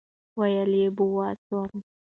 ویل بوه سوم.